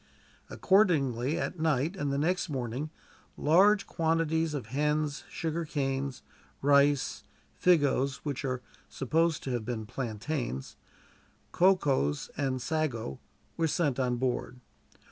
Accordingly, at night and the next morning large quantities of hens, sugarcanes, rice, figos which are supposed to have been plantains cocoas, and sago were sent on board.